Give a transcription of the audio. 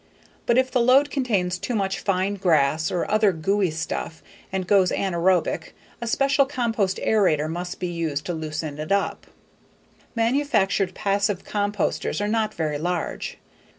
But if the load contains too much fine grass or other gooey stuff and goes anaerobic, a special compost aerator must be used to loosen it up. Manufactured passive composters are not very large.